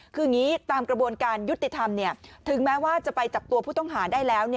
คืออย่างนี้ตามกระบวนการยุติธรรมถึงแม้ว่าจะไปจับตัวผู้ต้องหาได้แล้ว